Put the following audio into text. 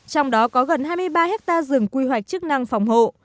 trong đó có gần hai mươi ba hectare rừng quy hoạch chức năng phòng hộ